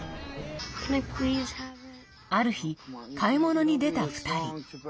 ある日、買い物に出た２人。